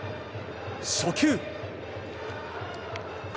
初球。